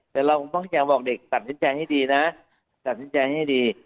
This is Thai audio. แต่เราคงต้องพยายามบอกเด็กตัดสินใจให้ดีนะตัดสินใจให้ดี